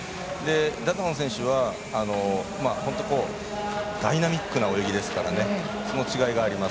ダダオン選手はダイナミックな泳ぎですからその違いがあります。